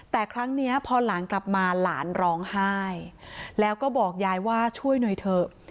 แต่ครั้งนี้พอหลานกลับมาหลานร้องไห้แล้วก็บอกยายว่าช่วยหน่อยเถอะ